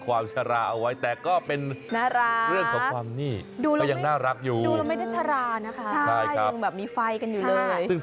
นับถอยหลังเลยอายุสมอง